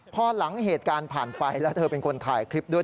พอหลังเหตุการณ์ผ่านไปแล้วเธอเป็นคนถ่ายคลิปด้วย